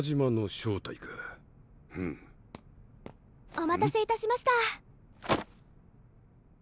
お待たせいたしました。